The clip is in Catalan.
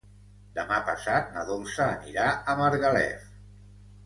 Demà passat na Dolça anirà a Margalef.